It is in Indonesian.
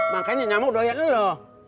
makanya nyamuk udah lihat lu loh